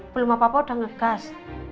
belum apa apa udah ngegas